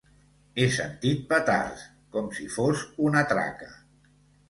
He sentit petards, com si fos una traca.